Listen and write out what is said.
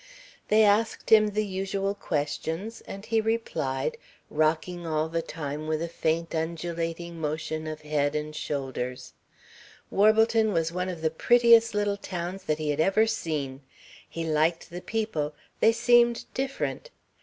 They asked him the usual questions, and he replied, rocking all the time with a faint undulating motion of head and shoulders: Warbleton was one of the prettiest little towns that he had ever seen. He liked the people they seemed different.